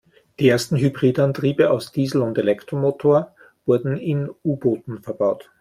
Die ersten Hybridantriebe aus Diesel- und Elektromotor wurden in U-Booten verbaut.